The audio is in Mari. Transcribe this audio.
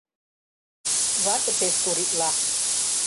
Вате пеш туритла.